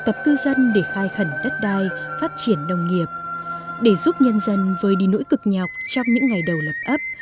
cư dân để khai khẩn đất đai phát triển nông nghiệp để giúp nhân dân vơi đi nỗi cực nhọc trong những ngày đầu lập ấp